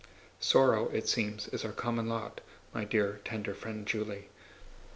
Sorrow, it seems, is our common lot, my dear, tender friend Julie.